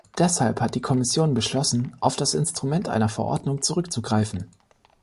Deshalb hat die Kommission beschlossen, auf das Instrument einer Verordnung zurückzugreifen.